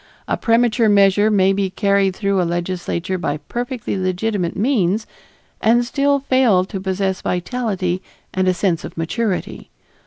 A premature measure may be carried through a legislature by perfectly legitimate means and still fail to possess vitality and a sense of maturity.